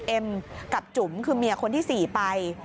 เอ็มกับจุ๋มคือเมียคนที่๔ไป